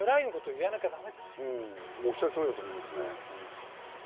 おっしゃる通りだと思いますね。